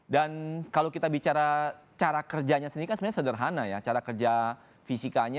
dan kalau kita bicara cara kerjanya sendiri kan sebenarnya sederhana ya cara kerja fisikanya